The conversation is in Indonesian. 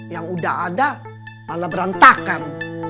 yang udah ada malah berantakan